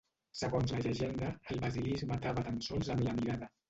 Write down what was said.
Segons la llegenda, el basilisc matava tan sols amb la mirada.